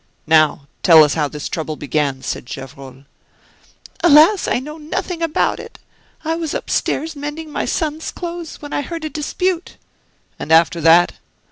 "Now tell us how this trouble began," said Gevrol. "Alas! I know nothing about it. I was upstairs mending my son's clothes, when I heard a dispute." "And after that?"